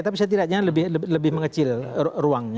tapi saya tidak jangan lebih mengecil ruangnya